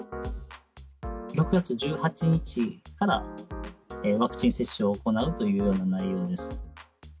６月１８日から、ワクチン接種を行うというような内容です。